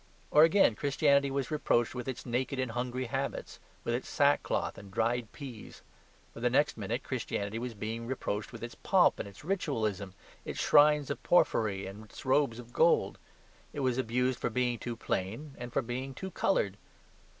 Or again, Christianity was reproached with its naked and hungry habits; with its sackcloth and dried peas. But the next minute Christianity was being reproached with its pomp and its ritualism; its shrines of porphyry and its robes of gold. It was abused for being too plain and for being too coloured.